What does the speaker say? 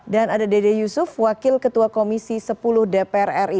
dan ada dede yusuf wakil ketua komisi sepuluh dpr ri